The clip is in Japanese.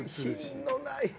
品のない。